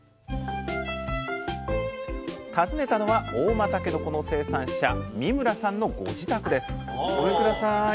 訪ねたのは合馬たけのこの生産者三村さんのご自宅ですごめんください。